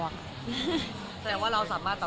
นี่เสียเซลล์เลยในเดียวโดน